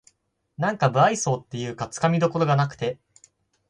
なんか無愛想っていうかつかみどころがなくて